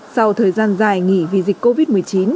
sau thời gian dài nghỉ vì dịch covid một mươi chín